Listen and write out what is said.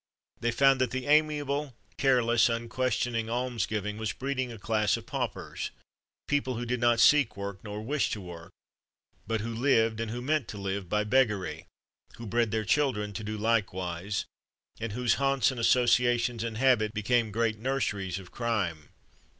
They found that the amiable, careless, unquestioning alms giving was breeding a class of paupers, people who did not seek work nor wish to work, but who lived, and who meant to live, by beggary, who bred their children to do likewise, and whose haunts and associations and habits became great nurseries of crime.